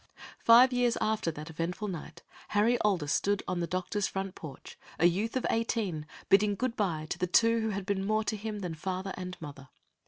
Five years after that eventful night, Harry Aldis stood on the doctor's front porch, a youth of eighteen, bidding good by to the two who had been more to him than father and mother.